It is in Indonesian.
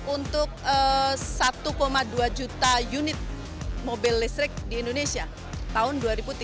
untuk satu dua juta unit mobil listrik di indonesia tahun dua ribu tiga puluh